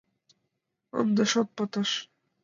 Ынде шот пытыш!..»